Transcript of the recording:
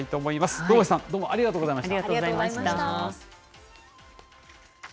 能町さん、どうもありがとうございました。